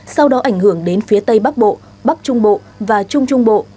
sau đó ảnh hưởng đến phía tây bắc bộ bắc trung bộ và trung trung bộ